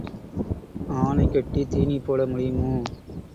ஆனை கட்டித் தீனி போட முடியுமோ?